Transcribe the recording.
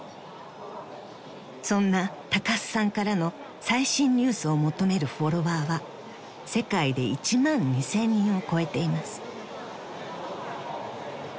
［そんな高須さんからの最新ニュースを求めるフォロワーは世界で１万２，０００人を超えています］